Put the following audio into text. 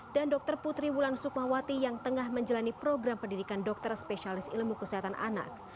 dan dr putri wulan sukmawati yang tengah menjalani program pendidikan dokter spesialis ilmu kesehatan anak